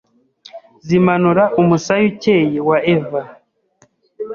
Zimanura umusaya ucyeye wa Eva